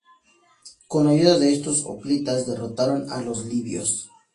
Con ayuda de estos hoplitas, derrotaron a los libios.